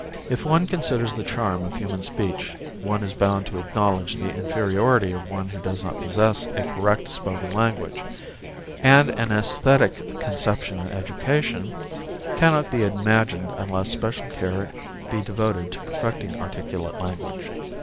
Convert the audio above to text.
If one considers the charm of human speech one is bound to acknowledge the inferiority of one who does not possess a correct spoken language; and an aesthetic conception in education cannot be imagined unless special care be devoted to perfecting articulate language.